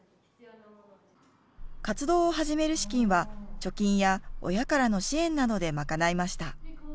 活動を始める資金は、貯金や親からの支援などで賄いました。